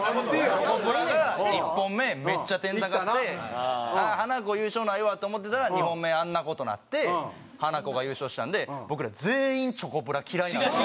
チョコプラが１本目めっちゃ点高くてああハナコ優勝ないわって思ってたら２本目あんな事になってハナコが優勝したんで僕ら全員チョコプラ嫌いなんですよ。